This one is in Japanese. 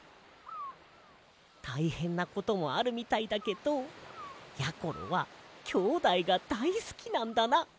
たいへんなこともあるみたいだけどやころはきょうだいがだいすきなんだな。